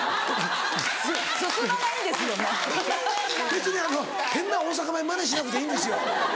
別にあの変な大阪弁まねしなくていいんですよ。